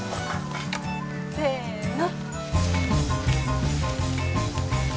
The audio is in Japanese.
せの。